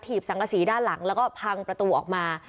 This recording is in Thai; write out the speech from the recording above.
สังกษีด้านหลังแล้วก็พังประตูออกมา